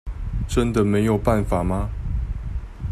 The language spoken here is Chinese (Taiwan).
真的沒有辦法嗎？